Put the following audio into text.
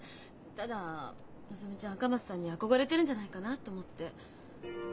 ただのぞみちゃん赤松さんに憧れてるんじゃないかなと思って。